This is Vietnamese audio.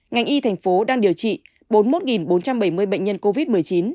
ngành y thành phố đang điều trị bốn mươi một bốn trăm bảy mươi bệnh nhân covid một mươi chín